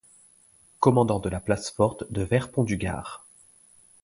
Commandant de la Place Forte de Vers-Pont-du-Gard.